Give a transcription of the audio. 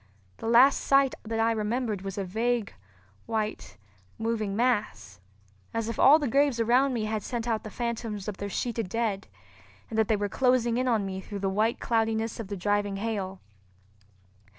The last sight that I remembered was a vague, white, moving mass, as if all the graves around me had sent out the phantoms of their sheeted dead, and that they were closing in on me through the white cloudiness of the driving hail.